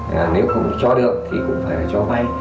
nếu không cho được thì cũng phải là cho may